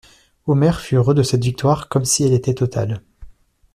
Omer fut heureux de cette victoire comme si elle était totale.